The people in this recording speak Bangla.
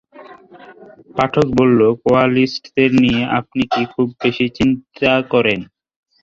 পাঠক বলল, কোয়ালিস্টদের নিয়ে আপনি কি খুব বেশি চিন্তা করেন?